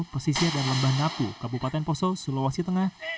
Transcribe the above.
pesisir dan lembah napu kabupaten poso sulawesi tengah